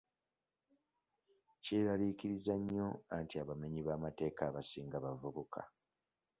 Kyeraliikiriza nnyo anti abamenyi b'amateeka abasinga bavubuka.